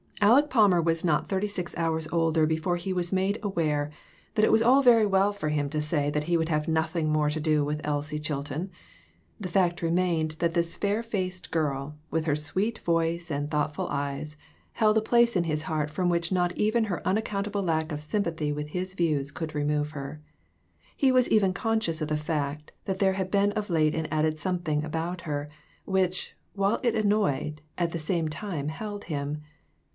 Aleck Palmer was not thirty six hours older before he was made aware that it was all very well for him to say that he would have nothing more to do with Elsie Chilton ; the fact remained that this fair faced girl, with her sweet voice and thoughtful eyes, held a place in his heart from which not even her unaccountable lack of sympathy with his views could remove her. He was even con scious of the fact that there had been of late ^an added something about her, which, while it annoyed, at the same time held him.